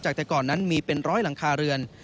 จากแต่ก่อนนั้นมีเป็นร้อยหลังคาเรือน